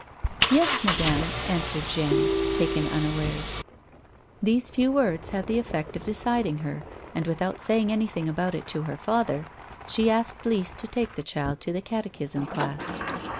"Yes, madame," answered Jeanne, taken unawares. These few words had the effect of deciding her, and, with out saying anything about it to lier father, she asked Lise to take the child to the catechism class.